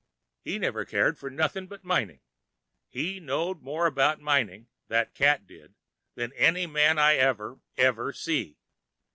He never cared for nothing but mining. He knowed more about mining, that cat did, than any man I ever, ever see.